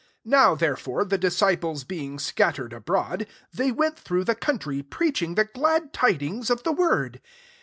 4 NOW, therefore, the dk*#a ftle9 being scattered abroad, they went through the coumiry preaching the glad tidinga d the word.